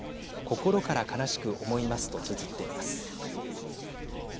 心から悲しく思いますとつづっています。